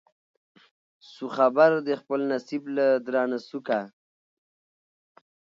سو خبر د خپل نصیب له درانه سوکه